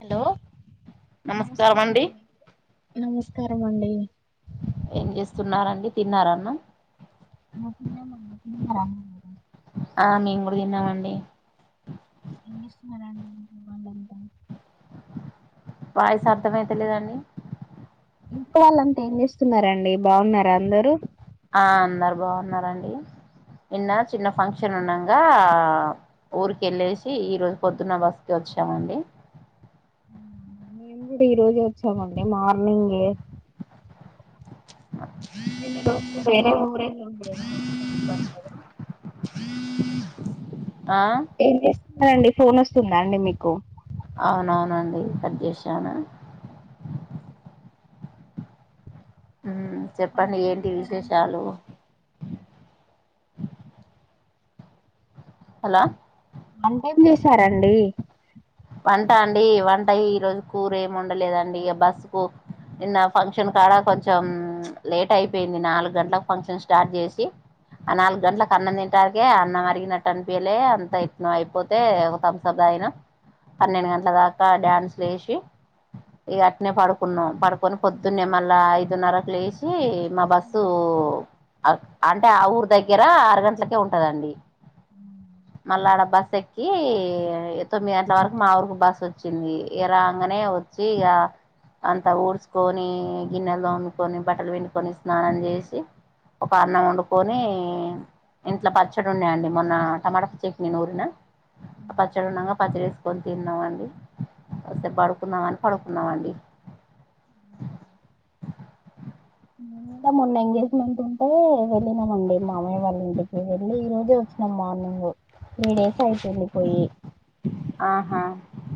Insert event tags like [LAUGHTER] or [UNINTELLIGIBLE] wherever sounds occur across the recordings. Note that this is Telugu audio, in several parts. హలో నమస్కారం అండి నమస్కారమండి నమస్కారమండి ఏం జేస్తున్నారంండి తిన్నారన్నం క మ క మర మీ గుడా తిన్నామండి ఎంజేస్తున్నరండి మీవాళ్లంత వాయిస అర్థమైతలేదండి మ్ వాళ్ళంతా ఏం జేస్తున్నారండి బాగున్నార అందరు ఆ అందరు బాగున్నరండి నిన్న చిన్న ఫంక్షన్ ఉండంగా ఊరుకేళ్ళేసి ఈ రోజ్ పొద్దున్న బస్కి ఒచ్చామండి మ్ గుడా ఈ రోజె ఒచ్చామండి మార్నింగే ఎన్ని రోజేరేఊర ఉద ఆ నండి ఫోన్ వస్తుందా అండి మీకు అవునవునండి కట్ చేసాను మ్ వంట చెప్పండి ఏం ఏంటి చేశారండి విశేషాలు హలో వంటేం చేశారండి వంట అండి వంట ఈరోోజు కూర ఏమి వండలేదండి ఇక బస్ కు నిన్న ఫంక్షన్ కాడ కొంచం లేట్ అయిపోయింది నాలుగ్ గంటలకు ఫంక్షన్ స్టార్ట్ చేసి ఆ నాలుగు గంటలకు అన్నం తింటాకె అన్నం అరిగినట్టు అనిపీలే అంత ఇట్ అయిపోతే ఒక దంసప్ తాగినాం పన్నెండు గంటల దాక డ్యాన్సులేసి ఇగ అట్నే పడుకున్నాం పడుకొని పొద్దున్నే మళ్ళా ఐదున్నరక్ లేసి మా బస్సు ఉమ్ అంటే ఆ ఊరు దెగ్గర ఆరు గంటలకే ఉంటదండి మల్ళ ఆడ బస్ ఎక్కి ఎ తొమ్మి అ నార్ కు మా ఊరికి బస్ వచ్చింది ఇ రాగానే వచ్చి ఇక అంత ఊడ్చుకొని గిన్నెల్ తోముకొని బట్టలు పిండుకొని స్నానం చేసి ఒక అన్నం వండుకొని ఇంట్లో పచ్చడి ఉన్నాయంండి మొన్న టమాట చెట్నీ నూరిన పచ్చడి ఉమ్ ఉన్నాక పచ్చడి కొని తిన్నా మండి వస్తే పడుకున్నామని పడుకున్నామండి మొన్న ఎంగేజ్మెంట్ ఉంటే వెళ్ళినామండి మా మామయ వాళ్ళ ఇంటికి వెళ్లి ఈ రోజే వచ్చినాం మార్నింగ్ త్రీ డేస్ అయితుంది పోయి ఆహా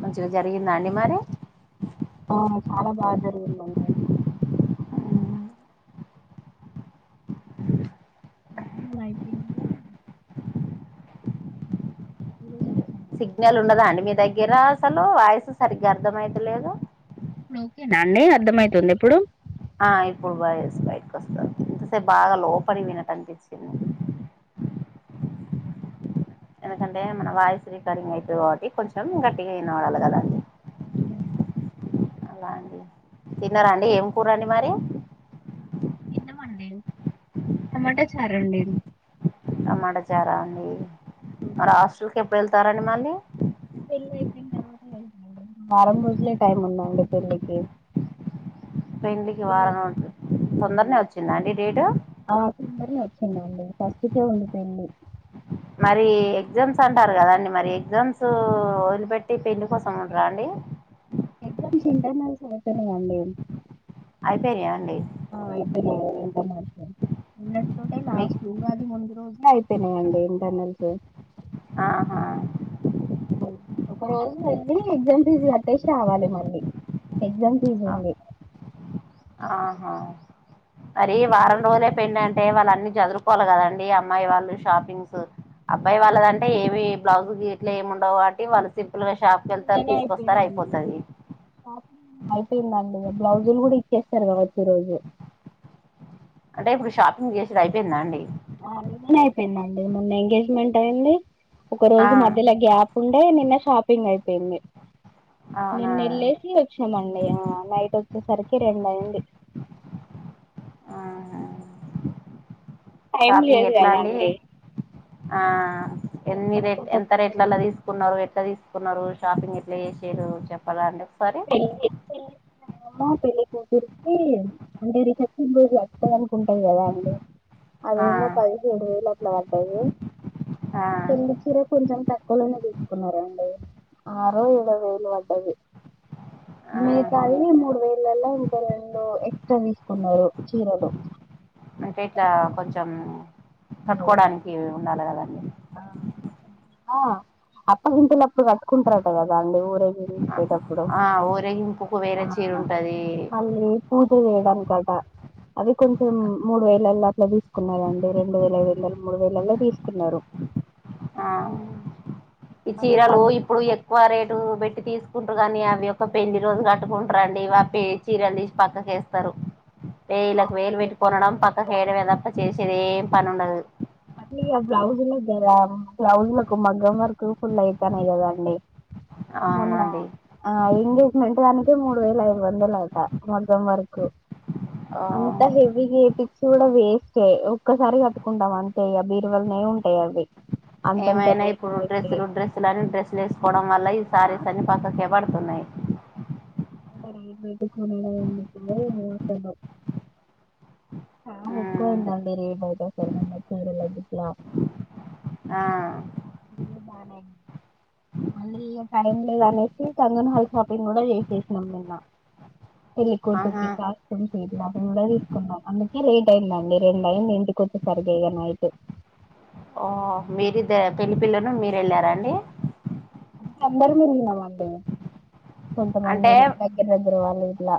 మంచిగా జరిగిందా అండి మరి ఆ చాల బాగ జరిగిందండి అహ అయిపోయింద ఊహు సిగ్నల్ ఉండదా అండి మీ దెగ్గరా అసలు వాయిసు సరిగ్గ అర్ధం అయితలేదు ఇప్పుడు ఒకేనా అండి అర్థంమయితుంది ఇప్పుడు ఆ ఇప్పుడు బాగ చే బయటకి వస్తంది ఎంతసేపు బాగా లోపల పోయినట్టు అనిపించింది ఎందుకంటే మన వాయిసు రికార్డింగ్ అయితది కాబట్టి కొంచెం గట్టిగా వినబడాలె కదాండి మ్ అలా అండి తిన్నార అండి ఏం కూర అండి మరి తిన్నా మండి టమాట చా రండి టమాట చార అండి మరి హాస్టల్ కె ఎప్పుడు వెళ్తారండి మళ్ళీ తెళ్ల్ వారం రోజులే టైం ఉందా అండి పెల్లికి పెల్లికి వారమవుతుం హ్మ్. తొందర్నే వచ్చింద అండి డేటు పస్తుతో వెళ్ళి పోయింది. మరి ఎగ్జామ్స్ అంటారు కదా అండి మరి ఎగ్జామ్స్ వదిలిపెట్టి పెళ్లిి కోసం ఉండరా అండి ఎక్సామ్స్ ఇంటర్నల్స్ అయిపోయినయి అండి అయిపోయినయ అండి ఆ అయిపోయినా అండి మీకు [UNINTELLIGIBLE] ఉగాది ముందు రోజునా అయిపోయినాయండి ఇంటర్నల్స్ ఆహ ఒక రోజు వెళ్ళి ఎగ్జామ్ ఫీజు కట్టేసి రావాలి మళ్ళీ ఎగ్జామ్ పుల్ చదివ ఆహ అది వారం కట్టేసి రోజుల్లో పెళ్ల్ని టే వాళ్ళన్ని చదురుకోవాలి కదండి అమ్మాయి వాళ్ళు షాపింగ్స్ అబ్బాయి ఆ! వాళ్ళదంటే ఏవి బ్లౌజ్ గీట్లో ఏముండవు వాటి వాళ్ళ సి నిన్ననే అయిపోయిందండి. అయిపోయిందండి. బ్లౌజులు కూడా ఇచ్చేస్తారు కావచ్చు ఈ రోజు. అంటే ఇప్పుడు షాపింగ్ చేసేది అయిపోయిందాండి. ఆ అయిపోయిందండి. మొన్న ఎంగేజ్మెంట్ అయింది. ఒక ఆ రోజు మధ్యలో గ్యాప్ ఉండే నిన్న షాపింగ్ అయిపోయింది. అవునా నేను వెళ్ళేసి వచ్చామండి నైట్ వచ్చేసరికి రెండు అయింది. ఆ టైం షాపింగ్ లేదు ఎట్లా కదా అండి? ఆ ఎన్ని అందుకని రేట్ తొందర ఎంత తొందరగా రేట్లలా తీసుకున్నారు ఎట్లా తీసుకు కున్నారు షాపింగ్ ఎట్లా చేసేరు చెప్పాల అండి. ఒకసారి ప ప మ పెళ్లికూతురు అంటే రిసెప్షన్ రోజులు వస్తాది అనుకుంటాది కదా అండి. ఆ అవేమో పదిహేడువేలు అట్లా పడ్డవి ఆ పెళ్లి చీర కొంచెం తక్కువ. తక్కువ తీసుకున్నారండి. ఆరు ఏడు వేలు పడ్డవి. ఆహా మిగతావి మూడు వేళ్ళల్లో, ఇంకా రెండు ట్టా తీసుకున్నారు చీరలు మన ఇట్లా కొంచెం కట్టుకోవడానికి ఉండాల కదండి. అప్పగింతలప్పుడు కట్టుకుంటారట కదా అండి ఊ చ్చేటప్పుడు ఆ ఊరేగింపుకు వేరే చీర ఉంటది మళ్ళీ పూజ చేయడానికి. చడ [UNINTELLIGIBLE] అవి కొంచెం మూడు వేలల్లో అట్లా తీసుకున్నారండి. రెండు వేల ఐదు వేల మూడు వేలల్లో తీసుకున్నారు. ఆ ఈ చీరలు ఇప్పుడు ఎక్కువ రేటు పెట్టి తీసు కుంటారు కానీ అవి ఒక పెళ్లి రోజు కట్టుకుంటారుండి వా పె చీరలు తీసి పక్కకేస్తారు. వేలకు వేలు మళ్ళీ పెట్టి కొనడం పక్కకి. పెట్టేయడం తప్పా చేసేది ఏమీ పను ఉండదు. మళ్లీ ఆ బ్లౌజులు ధర బ్లౌజులకు మగ్గం వర్కు ఫుల్ అవుతాన్నాయి కదండి. మొన్న అవునండి ఆ ఎంగేజ్మెంట్ అని తే మూడు వేల ఐయి వందలు అంట, మగ్గం వర్కు ఆ అంత హేవి చేపిస్తే చూడా వేస్ట్ ఒక్కసారి కట్టుకుంటాం అంతే, ఇగా బీరువలనే ఉంటాయి అవి అంతంత ఏమైనా రేట్లు ఇప్పుడు పెట్టి డ్రస్సులు డ్రెస్సులు అని డ్రెస్లు ఏసుకోవడం వల్ల ఈ శారీస్ అన్ని పక్కకి పడ తున్నాయి అ రైటు పో నడా ఎన్నకు ఎలాసనం [UNINTELLIGIBLE] ఆ బాగా మ్మ్ ఎక్కువైందండి రేటు అయితే ఒకేసారి [UNINTELLIGIBLE] మ్ ఇల్లు బానే మళ్ళీ టైం లేదు అనేసి కంగన్ హల్ షాపింగ్ కూడా చేసేసినాం నిన్న. పెళ్లి ఆహా కూతురికి కాస్ట్యూమ్ లాభం కూడా తీసుకున్నాం అందుకే లేట్ అయిందండి రెండు అయిందండి ఇంటికొచ్చే సరికి నైట్ ఓ మీరుద్దరు పెళ్లి పిల్లలు మీరు వెళ్ళారా అండి అందరం వెళ్ళినామండి. కొంతమంది అంటే దగ్గర దగ్గర వాళ్ళు ఇలా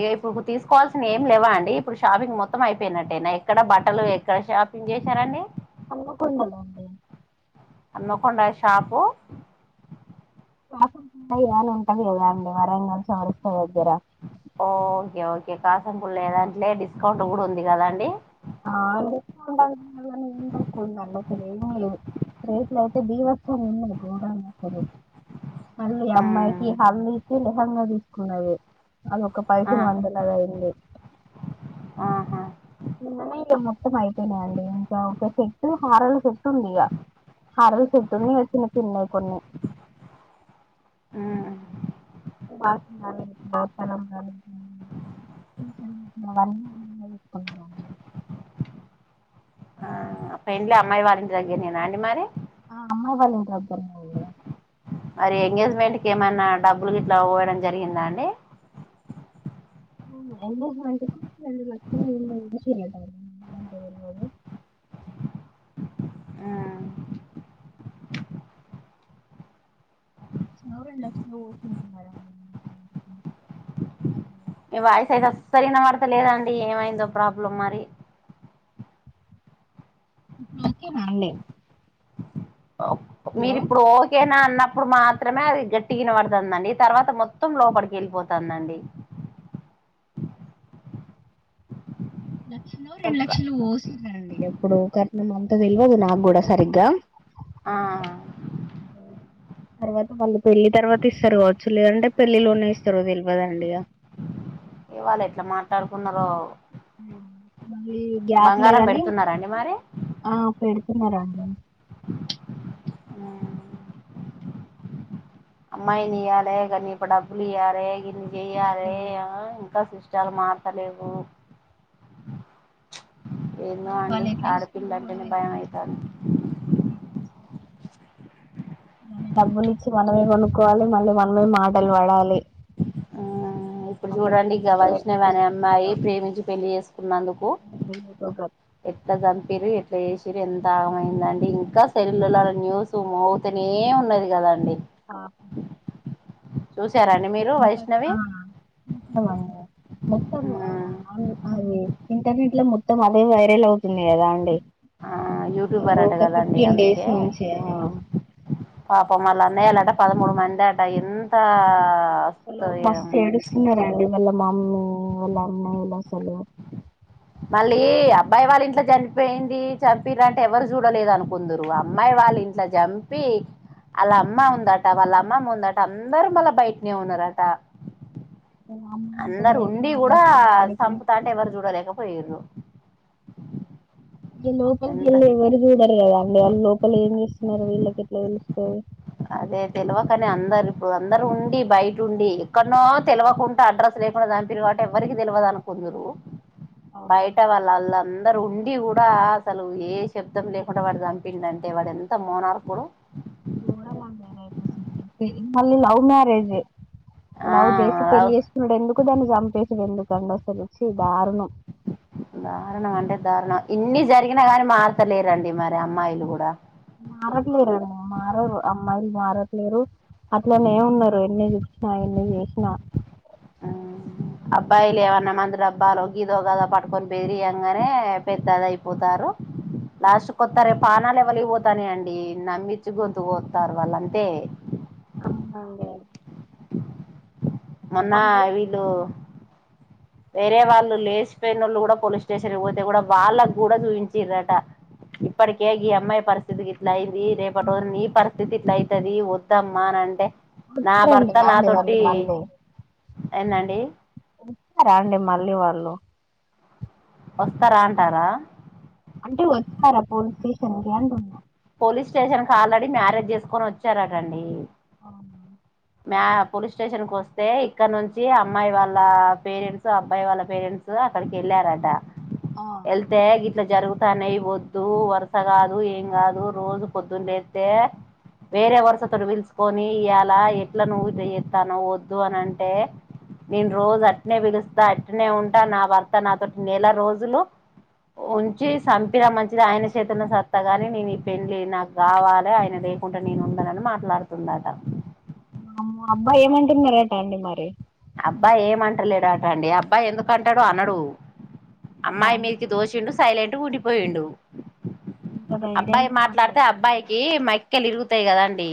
ఏ ఇప్పుడు తీసుకోవాల్సిన ఏం లేవా అండి. ఇప్పుడు షాపింగ్ మొత్తం అయిపోయినట్టేనా? ఇక్కడ బట్టలు ఎక్కడ షాప్ ఏం చేశారండి. పడుకున్నాఅండి నకుండాయి షాపు కు ఇలాని ఉంటాదా అండి వరంగల్ చౌరస్తా దగ్గర ఓకే ఓకే కాసంపుళ ఏదంటలే డిస్కౌంట్ కూడా ఉంది కదా అండి. ఆ [UNINTELLIGIBLE] [INAUDIBLE] రేట్లో అయితే బీభత్సంగా ఉన్నాయి [INAUDIBLE] మళ్ళీ అమ్మాయికి ఉమ్, హల్లేకి లేహంగా తీసుకున్నది. అదొక ఆ పదిహేను వందలు అయింది. ఆహా! నే ఇక మొత్తం అయిపోయినాయండి. ఇంకా ఒక సెట్ హారల సెట్ ఉంది ఇగ ఆ రోజు పొద్దున్నే చిన్న చిన్నయి కొన్ని ఉమ్, సన [UNINTELLIGIBLE] హు [UNINTELLIGIBLE] ఆ పెండ్లీ అమ్మాయి వాల్లింటి దగ్గర నేనా అండి మరి ఆ అమ్మాయి వాళ్ళ ఇంటి దగ్గర్నే అండి మరి ఎంగేజ్మెంట్ కె ఏమైన్నా డబ్బులు గిట్ల పోయడం జరిగిందా అండి ఎంగేజ్మెంట్ కు రెండు రోజులు [UNINTELLIGIBLE] ఉమ్, లక్ష న రెండు లక్ష పోస్తున్నారు మ [UNINTELLIGIBLE] మీ వాయిస్ అయితే అస్సలు వినబడత లేదు అండి ఏమైందో ప్రాబ్లం మరి ఓకేనా అండి హలో మీరు ఇప్పుడు ఓకేనా అన్నప్పుడు మాత్రమే అది గట్టిగా వినబడుతుందండి తర్వాత మొత్తం లోపలికి వెళ్ళిపోతుందండి లక్షలు రెండు లక్షలు ఓ అండి ఎప్పుడు కట్నం అంతా తెలియదు నాకు కూడా సరిగ్గా ఆ ఓ తర్వాత వాళ్ళు పెళ్ళి తర్వాత ఇస్తారు కావచ్చు లేదంటే పెళ్లిలోనే ఇస్తరో తెల్వదండిగా ఇక వాళ్ళు ఎట్లా మాట్లాడుకున్నారో మళ్ళి గ్యాప్ బంగారం లేదని పెడుతున్నారండి మరి ఆ పెడు తీన్నార [UNINTELLIGIBLE] అమ్మాయిని ఇయ్యాలే కానీ ఇప్పు డబ్బులు ఇయ్యాలే ఇన్ని చెయ్యాలే ఆ ఇంకా చాలా మాట్లాలేవు ఏందో మళ్ళీ అండి వాళ్ళు ఎట్లా చూసుకుంటారో కూడా ఆడపిలాంటేనే తెల్వదండి భయమయితాంది మన డబ్బులు ఇచ్చి మనమే కొనుక్కోవాలి మళ్ళీ మనమే మాటలు పడాలి ఉ ఇప్పుడు మళ్ళీ చూడండి ఎట్లుంటారో ఎట్లా వైష్ణవి అనే చూసుకుంటారో అమ్మాయి ప్రేమించి పెళ్లి చేసుకున్నందుకు అంత న్నందుకు ఎట్లా చంపిరు ఎ చేషిరు ఎంత ఆగమైందండి ఇంకా సెల్లులలో న్యూస్ మోగుతనే ఉన్నది కదండి ఆ చూసారండి మీరు అంత వైష్ణవి ఆ మొత్త మొత్తం ఆ అ అే [UNINTELLIGIBLE] ఇంటర్నెట్ లో మొత్తం అదే వైరల్ అవుతుంది కదా అండి ఆ యూట్యూబర్ అట ఒక కదండి ఫిఫ్టీన్ డేస్ అందుకే నుంచి ఆ పాపం వాల్ల అన్నయాలట పదమూడు మందట ఎంత అసలు మస్తు ఏడుస్తున్నరండి వాళ్లు మామ్మీ వాళ్ళ అన్నయ్యలు అసలు మళ్ళీ అబ్బాయి వాళ్ళఇంట్లో చనిపోయింది చంపిరు అంటే ఎవరు చూడలేదు అనుకుందురు అమ్మాయి వాళ్ళు వాళ ఇంట్లో జంపి వాళ్ళ అమ్మ ఉందట వాళ్ళ అమ్మమ్మ ఉందట అందరూ మళ్ళ బయటనే ఉన్నారట వాళ్ళ అమ్మ ఎంత అందరు ధైర్యం ఉండి అండి కూడా అసలు వాడికి సంపు తాంటె ఎవరు చూడలేకపోయిండ్రు ఈ లోపలికి ఎంత వెళ్ళి ఎవరు చూడరు కదా అండి వాళ్ళు లోపల ఏం చేస్తున్నారో వీళ్ళకి ఎట్లా తెలుస్తది అదే తెలివకనే అందరు ఇప్పుడు అందరు ఉండి బయట ఉండి ఎక్కడనో తెలివకుంట అడ్రస్ లోపల సంపిండ్రు కాబట్టి ఎవ్వరికి తెలవదు అనుకుందరు బయట వాళ్ళ అందరు ఉండి కూడా అసలు ఏ శబ్దం లేకుండా వాడు చంపిండంటే వాడు ఎంత మోనార్క్ వాడు మళ్లీ లవ్ మ్యారేజ్ ఆ లవ్ చేసి పెళ్ళి చేసుకునుడు ఎందుకు దాన్ని జంపేసుడు ఎందుకు అండి అసలు చ్చి దారుణం అంటే దారుణం ఇన్ని జరిగినా గాని మార్తలేరండి మరి అమ్మాయిలు కూడా మారట్లేరు మారరు అమ్మాయిలు మారట్లేరు అట్లనే ఏమి ఉన్నారు ఎన్ని మా ఆయన చేసిన ఆ అబ్బాయిలు ఏమన్నా మందుడి అబ్బాలో గీదో గదో పట్కొని పెదిరియంగానే పెద్దది అయిపోతారు హ లాస్ట్ కొస్తారే పానాలు ఎవలిగి పోతానే అండి నమ్మిచ్చి గొంతు కొత్తరు వాళ్ళంతే [UNINTELLIGIBLE] మొన్న వీళ్ళు వేరే వాళ్ళు లేచిపోయినళ్ళు కూడా పోలీస్ స్టేషన్ పోతే కూడా వాళ్ళకు కూడా చూపించ్రట ఇప్పటికిగి అమ్మాయి పరిస్థితికిిట్ల ఐన్ ది రేపటి రోజు నీ పరిస్థితి ఇట్లా అయితది వద్దమ్మా అని అంటే నా వచ్చారండి భర్త నా నాండి వాళ్ళు తొట్టి ఏందండి రా అండి మళ్ళీ వాళ్ళు వస్తారా అంటారా పేషన అంట ఉన్నా పోలీస్ స్టేషన్ క ఆల్రెడీ మ్యారేజ్ చేసుకొని వచ్చారటండి [UNINTELLIGIBLE] మ్య పోలీస్ స్టేషన్ కు వస్తే ఇక్కడ నుంచి అమ్మాయి వాళ్ళ పేరెంట్స్ అబ్బాయి వాళ్ళ పేరెంట్స్ అక్కడికి వెళ్ళరంట ఆ ఎల్తేఇట్ల జరుగుతానై వద్దు వరుస కాదు ఏం కాదు నవ్వు రోజు పొద్దులేతే వేరే వరుసతో పిలుచకొని ఇయ్యాలా ఎట్లా నువ్వు చేయి ఇస్తానవు వద్దు అని అంటే నేను రోజు అట్నే పిలుస్తా అట్నే ఉంటా నా భర్త నాతోటి నెల రోజులు ఉంచి చంపినా మంచిదే ఆయన చేతుల్నేసత్తాగాని నేను ని పెళ్ళి నాకు కావాలే ఆయన లేకుండా నేను ఉండనని మాట్లాడుతుందట అమో మ్ అబ్బాయి ఏమంటున్నారట అండి మరి అబ్బాయి ఏమంటలేడట అండి అబ్బాయి ఎందుకు అంటాడు అనడు అమ్మాయి వామ్మో మీదికి దోషిడు సైలెంట్ ఉం డిపోయుండు ఇంత అబ్బాయి ధైర్యంగా మాట్లాడితే అబ్బాయికి మాట్లాడుతున్నారండి మైక్కలు ఇరుగుతాయి కదాండి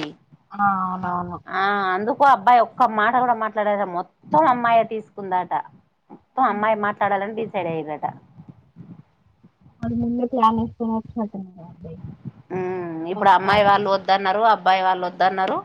ఆ అవునవును ఆ అందుకు అబ్బాయి ఒక్క మాట కూడా మాట్లాడారు మొత్తం అమ్మాయి తీసుకుందాట ఓ అమ్మాయి మాట్లాడాలని డిసైడ్ అయిదట [UNINTELLIGIBLE] హు ఇప్పుడు వస్తారు అమ్మాయి వాళ్ళు వద్దదున్నారు అబ్ అబ్బాయి వాళ్ళు వద్ అన్నారు